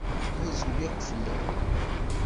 Azul akk fell-awen.